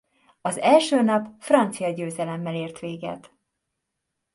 Az első nap francia győzelemmel ért véget.